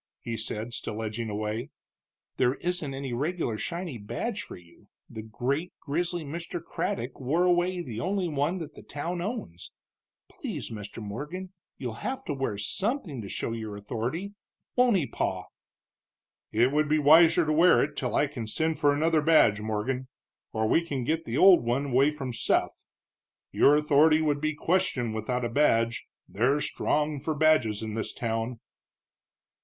he said, still edging away. "There isn't any regular shiny badge for you, the great, grisly Mr. Craddock wore away the only one the town owns. Please, Mr. Morgan you'll have to wear something to show your authority, won't he, Pa?" "It would be wiser to wear it till I can send for another badge, Morgan, or we can get the old one away from Seth. Your authority would be questioned without a badge, they're strong for badges in this town."